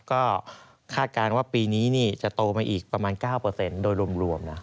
ก็คาดการณ์ว่าปีนี้จะโตมาอีกประมาณ๙โดยรวมนะ